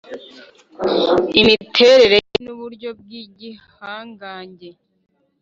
imiterere ye nuburyo bwigihangange,